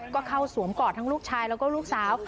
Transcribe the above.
ก็เข้าสวมกอดทั้งลูกชายแล้วก็ลูกสาว